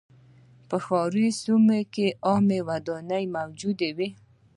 په ښاري سیمو کې عامه ودانۍ موجودې وې.